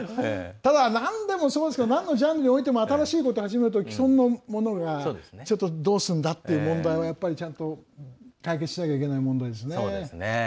ただ、なんでもそうですけどなんのジャンルにおいても新しいこと始まると既存のものがどうするんだって問題はちゃんと解決しないといけない問題ですね。